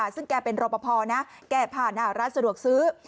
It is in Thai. ซึ่งแกเป็นรอปภนะแกผ่านหน้าร้านสะดวกซื้อ